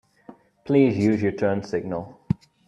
Please use your turn signal.